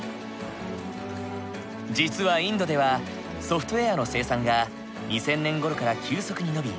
実はインドではソフトウェアの生産が２０００年ごろから急速に伸び